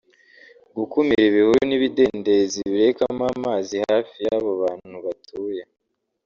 gukumira ibihuru n’ibidendezi birekamo amazi hafi y’aho abantu batuye